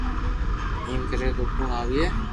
ايم ڪري تو ڪوڻ آوئي